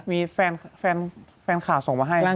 มีแฟนข่าวส่งมาให้